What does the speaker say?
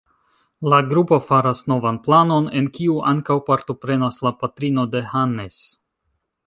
La grupo faras novan planon, en kiu ankaŭ partoprenas la patrino de Hannes.